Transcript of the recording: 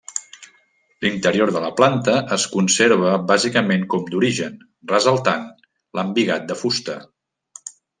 L'interior de la planta es conserva bàsicament com d'origen, ressaltant l'embigat de fusta.